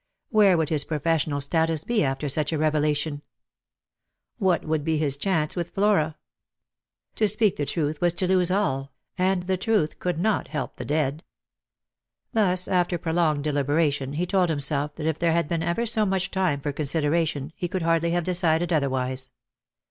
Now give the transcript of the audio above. Where would his professional status be after such a revelation ? What would be his chance with Flora ? To speak the truth was to lose all ; and the truth could not help the dead. Thus, after prolonged deliberation, he told himself that if there had been ever so much time for consideration, he could hardly have decided otherwise.